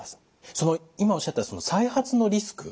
その今おっしゃった再発のリスク